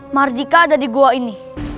mardika ada di gua ini